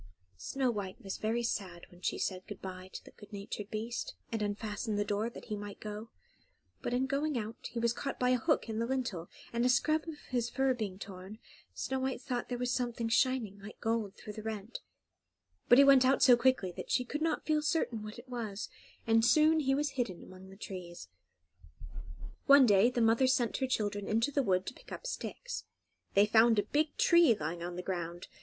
Snow White was very sad when she said good bye to the good natured beast, and unfastened the door, that he might go; but in going out he was caught by a hook in the lintel, and a scrap of his fur being torn, Snow White thought there was something shining like gold through the rent; but he went out so quickly that she could not feel certain what it was, and soon he was hidden among the trees. One day the mother sent her children into the wood to pick up sticks. They found a big tree lying on the ground.